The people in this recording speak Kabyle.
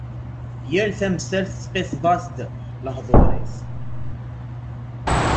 Yal tamsalt tettqisiḍ-as-d lehdur-is.